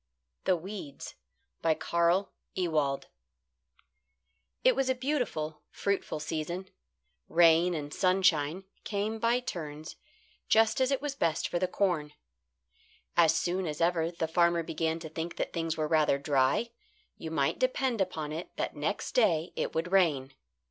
THE WEEDS CARL EWALD It was a beautiful, fruitful season. Rain and sunshine came by turns just as it was best for the corn. As soon as ever the farmer began to think that things were rather dry, you might depend upon it that next day it would rain.